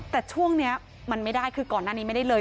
แต่ช่วงนี้มันไม่ได้คือก่อนหน้านี้ไม่ได้เลย